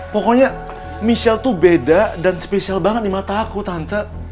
pokoknya michelle tuh beda dan spesial banget di mata aku tante